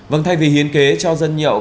vâng thay vì hiến kế cho dân nhậu